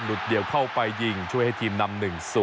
เดี่ยวเข้าไปยิงช่วยให้ทีมนำ๑๐